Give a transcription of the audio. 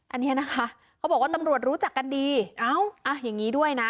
อันนี้นะคะเขาบอกว่าตำรวจรู้จักกันดีเอ้าอ่ะอย่างนี้ด้วยนะ